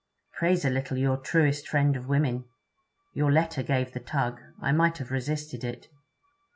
'Praise a little your "truest friend of women." Your letter gave the tug. I might have resisted it.'